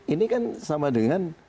ini kan sama dengan